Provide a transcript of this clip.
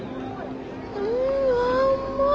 うん甘い！